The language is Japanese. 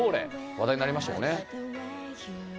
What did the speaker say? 話題になりましたよね。